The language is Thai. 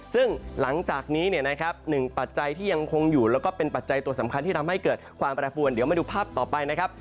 ซึ่งหลังจากนี้เนี่ยนะครับหนึ่งปัจจัยที่ยังคงอยู่แล้วก็เป็นปัจจัยตัวสำคัญที่ทำให้เกิดความแปรปวนเดี๋ยวมาดูภาพต่อไปนะครับ